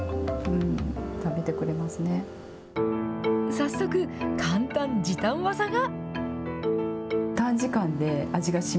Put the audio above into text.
早速、簡単時短技が。